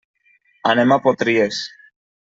Anem a Potries.